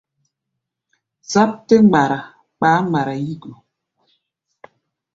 Záp tɛ́ mgbara kpaá mgbara yí go.